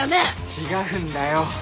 違うんだよ。